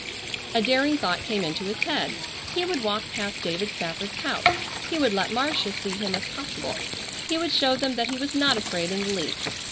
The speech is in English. A daring thought came into his head. He would walk past David Spafford's house. He would let Marcia see him if possible. He would show them that he was not afraid in the least.